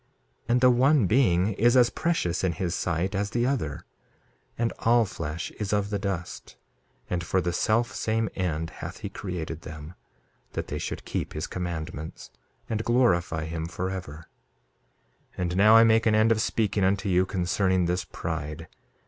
And the one being is as precious in his sight as the other. And all flesh is of the dust; and for the selfsame end hath he created them, that they should keep his commandments and glorify him forever. 2:22 And now I make an end of speaking unto you concerning this pride.